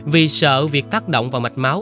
vì sợ việc tác động vào mạch máu